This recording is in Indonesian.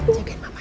jagain mama ya